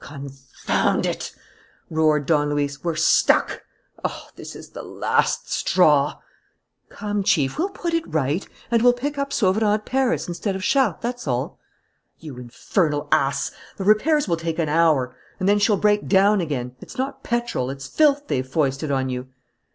"Confound it!" roared Don Luis. "We're stuck! Oh, this is the last straw!" "Come, Chief, we'll put it right. And we'll pick up Sauverand at Paris instead of Chartres, that's all." "You infernal ass! The repairs will take an hour! And then she'll break down again. It's not petrol, it's filth they've foisted on you."